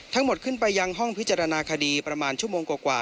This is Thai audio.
ขึ้นไปยังห้องพิจารณาคดีประมาณชั่วโมงกว่า